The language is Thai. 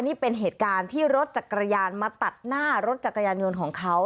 นี่เป็นเหตุการณ์ที่รถจักรยานมาตัดหน้ารถจักรยานยนต์ของเขา